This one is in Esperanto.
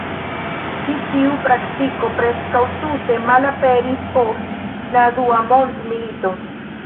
Ĉi tiu praktiko preskaŭ tute malaperis post la dua mondmilito.